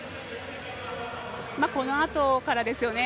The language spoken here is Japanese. このあとからですよね。